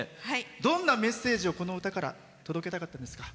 どんなメッセージを、この歌から届けたかったんですか？